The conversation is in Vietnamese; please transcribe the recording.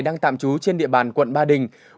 đang tạm trú trên địa bàn quận ba đình